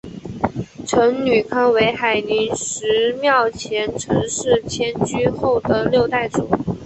陈汝康为海宁十庙前陈氏迁居后的六代祖。